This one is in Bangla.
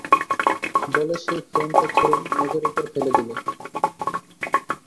বলে সেই ফ্রেমটা ছুঁড়ে মেজের উপর ফেলে দিলে।